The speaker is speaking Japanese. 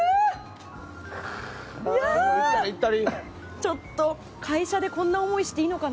ちょっと、会社でこんな思いしていいのかな？